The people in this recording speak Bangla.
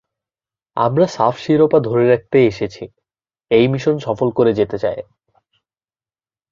আমরা সাফ শিরোপা ধরে রাখতে এসেছি, সেই মিশন সফল করে ফিরতে চাই।